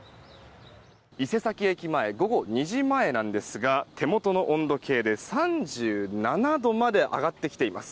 伊勢崎駅前午後２時前なんですが手元の温度計で３７度まで上がってきています。